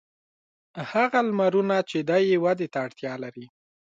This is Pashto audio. هغه لمرونه چې دی یې ودې ته اړتیا لري.